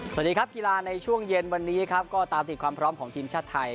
สวัสดีครับกีฬาในช่วงเย็นวันนี้ครับก็ตามติดความพร้อมของทีมชาติไทย